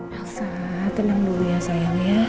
masa tenang dulu ya sayang ya